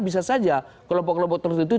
bisa saja kelompok kelompok tertentu